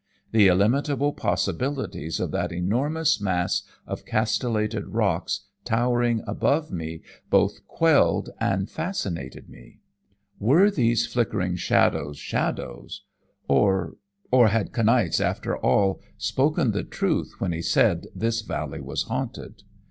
The illimitable possibilities of that enormous mass of castellated rocks towering above me both quelled and fascinated me. Were these flickering shadows shadows, or or had Kniaz, after all, spoken the truth when he said this valley was haunted?